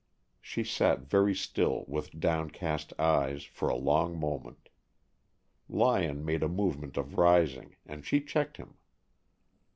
She sat very still, with downcast eyes, for a long moment. Lyon made a movement of rising, and she checked him.